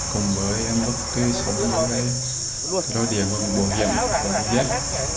cùng với em bước cái xe đó điện vào một bộ hiểm